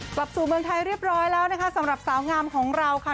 กลับสู่เมืองไทยเรียบร้อยแล้วนะคะสำหรับสาวงามของเราค่ะ